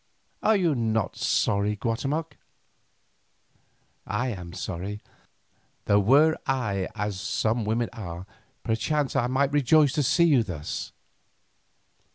Are you not sorry, Guatemoc? I am sorry, though were I as some women are, perchance I might rejoice to see you thus."